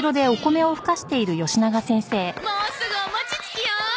もうすぐお餅つきよ。